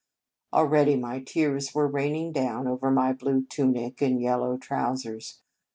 Already my tears were raining down over my blue tunic and yellow trousers.